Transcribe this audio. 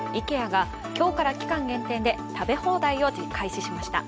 ＩＫＥＡが今日から期間限定で食べ放題を開始しました。